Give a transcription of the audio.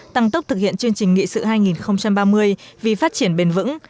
tăng tốc thực hiện chương trình nghị sự hai nghìn ba mươi vì phát triển bền vững